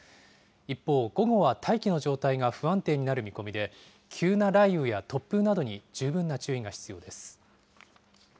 一方、午後は大気の状態が不安定になる見込みで、急な雷雨や突風などに十分な注意が必要です。